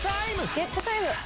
ゲットタイム。